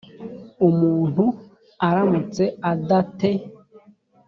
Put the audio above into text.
umuntu aramutse ada te